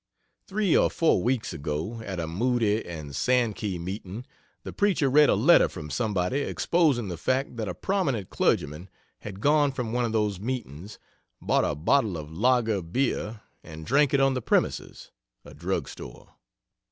Three or four weeks ago, at a Moody and Sankey meeting, the preacher read a letter from somebody "exposing" the fact that a prominent clergyman had gone from one of those meetings, bought a bottle of lager beer and drank it on the premises (a drug store.)